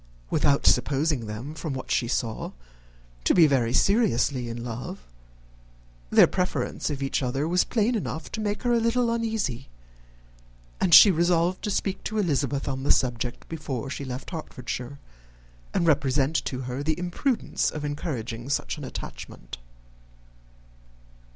Without supposing them, from what she saw, to be very seriously in love, their preference of each other was plain enough to make her a little uneasy; and she resolved to speak to Elizabeth on the subject before she left Hertfordshire, and represent to her the imprudence of encouraging such an attachment.